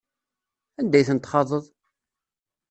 Anda ay ten-txaḍeḍ?